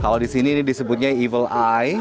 kalau di sini ini disebutnya evil eye